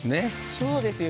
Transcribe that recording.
そうですよ。